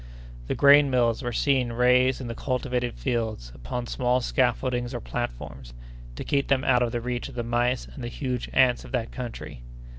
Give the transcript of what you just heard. The grain mills were seen raised in the cultivated fields, upon small scaffoldings or platforms, to keep them out of the reach of the mice and the huge ants of that country.